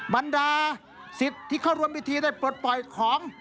บรรดาสิทธิ์ที่เข้าร่วมพิธีได้ปลดปล่อยของ